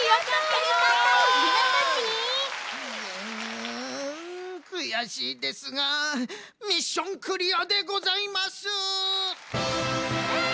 んくやしいですがミッションクリアでございます！